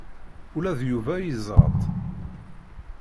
Ula d Yuba yeẓra-tt.